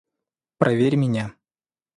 Проверь меня.